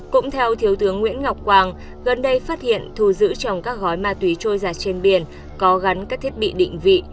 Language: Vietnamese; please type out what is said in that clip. cũng theo thiếu tướng nguyễn ngọc quang gần đây phát hiện thù dữ trong các gói ma túy trôi giạt trên biển có gắn các thiết bị định vị